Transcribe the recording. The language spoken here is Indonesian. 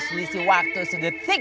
selisih waktu sedetik siap bang